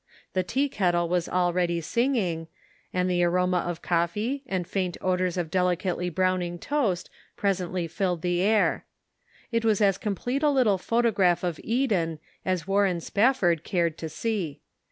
The tea ket tle was already singing, and the aroma of coffee and faint odors of delicately browning toast presently fijled the air. It was as complete a little photograph of Eden as Warren Spafford cared to see.